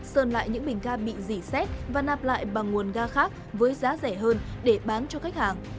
sơn lại những bình ga bị dỉ xét và nạp lại bằng nguồn ga khác với giá rẻ hơn để bán cho khách hàng